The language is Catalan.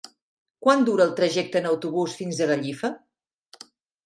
Quant dura el trajecte en autobús fins a Gallifa?